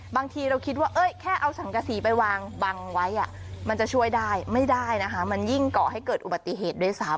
บางทีเราคิดว่าแค่เอาสังกษีไปวางบังไว้มันจะช่วยได้ไม่ได้นะคะมันยิ่งก่อให้เกิดอุบัติเหตุด้วยซ้ำ